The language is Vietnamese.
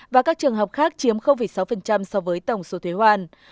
và các trường hợp khác chiếm sáu so với tổng số thuế hoàn